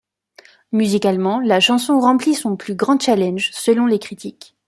Musicalement, la chanson remplit son plus grand challenge selon les critiques.